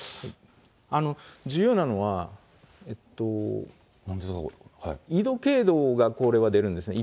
重要なのは、緯度、経度がこれは出るんですね。